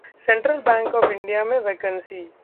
central bank of India में vacancy